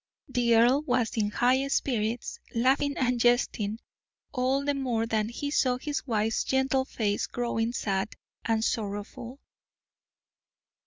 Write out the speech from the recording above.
The earl was in high spirits, laughing and jesting all the more that he saw his wife's gentle face growing sad and sorrowful.